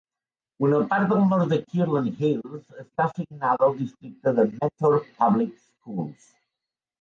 Una part del nord de Kirtland Hills està assignada al districte de Mentor Public Schools.